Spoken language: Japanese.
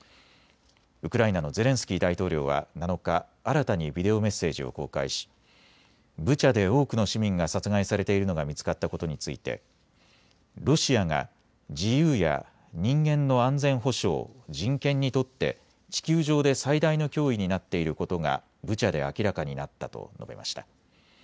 ウクライナのゼレンスキー大統領は７日、新たにビデオメッセージを公開しブチャで多くの市民が殺害されているのが見つかったことについてロシアが自由や人間の安全保障、人権にとって地球上で最大の脅威になっていることがブチャで明らかになったと述べました。